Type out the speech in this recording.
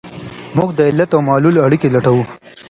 موږ د علت او معلول اړیکي لټوو.